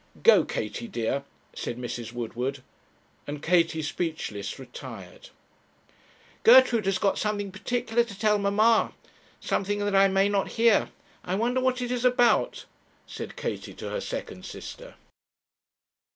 'Go, Katie, dear,' said Mrs. Woodward; and Katie, speechless, retired. 'Gertrude has got something particular to tell mamma; something that I may not hear. I wonder what it is about,' said Katie to her second sister.